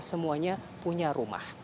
semuanya punya rumah